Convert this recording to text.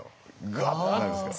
ガッてなるんですから。